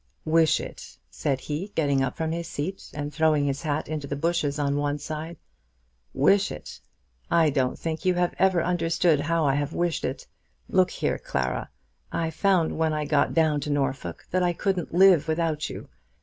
"Wish it!" said he, getting up from his seat, and throwing his hat into the bushes on one side; "wish it! I don't think you have ever understood how I have wished it. Look here, Clara; I found when I got down to Norfolk that I couldn't live without you.